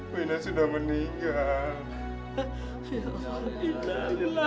bu ina sudah meninggal